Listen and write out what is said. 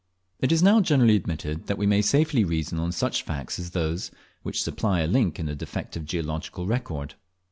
It is now generally admitted that we may safely reason on such facts as those, which supply a link in the defective geological record.